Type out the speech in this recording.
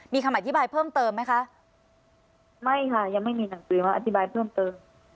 มีคำอธิบายเพิ่มเติมไหมคะไม่ค่ะยังไม่มีหนังสือมาอธิบายเพิ่มเติม